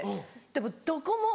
でもどこも。